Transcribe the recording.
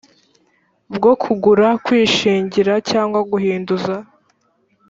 bwo kugura kwishingira cyangwa guhinduza